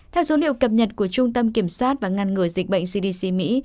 theo số liệu cập nhật của trung tâm kiểm soát và ngăn ngừa dịch bệnh cdc mỹ